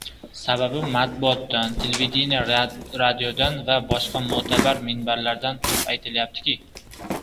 Sababi matbuotdan, televideniye-radiodan va boshqa mo‘tabar minbarlardan turib aytilyaptiki